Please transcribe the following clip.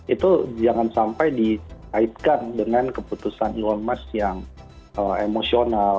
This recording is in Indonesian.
itu jangan sampai dikaitkan dengan keputusan elon musk yang emosional